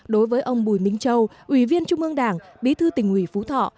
đối với ông bùi minh châu ủy viên trung ương đảng bí thư tỉnh ủy phú thọ